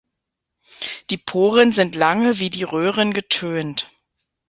Die Poren sind lange wie die Röhren getönt.